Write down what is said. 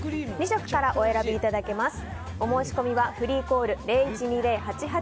２色からお選びいただけます。